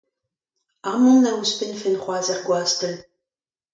Amann a ouzhpennfen c'hoazh er gwastell.